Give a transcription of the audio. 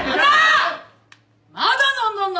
まだ飲んどんの？